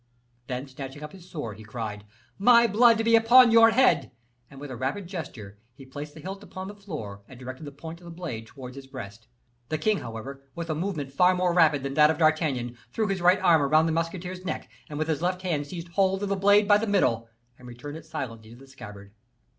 Then snatching up his sword, he cried, "My blood be upon your head!" and, with a rapid gesture, he placed the hilt upon the floor and directed the point of the blade towards his breast. The king, however, with a movement far more rapid than that of D'Artagnan, threw his right arm around the musketeer's neck, and with his left hand seized hold of the blade by the middle, and returned it silently to the scabbard.